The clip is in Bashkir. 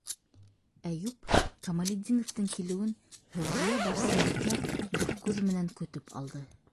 Әйүп Камалетдиновтың килеүен Фәүзиә-Барсынбикә дүрт күҙ менән көтөп алды.